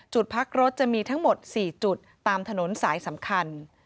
จุดพักรถจะมีทั้งหมด๔จุดตามถนนสายสำคัญ